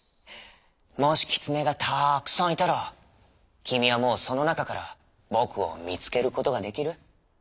「もしキツネがたくさんいたらきみはもうそのなかから『ぼく』をみつけることができる？」。